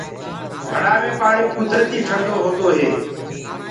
گھڙآ مي پآڻي ڪُدرتي ٺنڊو هوندو هي۔